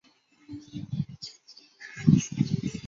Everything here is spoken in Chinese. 单行本收录于合集的作品未集结短篇